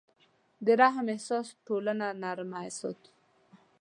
د رحم احساس ټولنه نرمه ساتي.